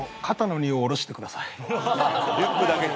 リュックだけに。